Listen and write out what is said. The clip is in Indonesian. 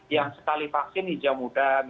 yang sekali vaksin hijau muda